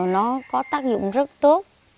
nó có tác dụng rất tốt